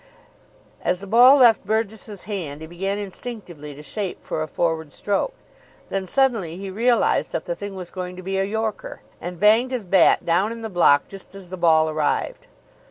As the ball left Burgess's hand he began instinctively to shape for a forward stroke. Then suddenly he realised that the thing was going to be a yorker, and banged his bat down in the block just as the ball arrived.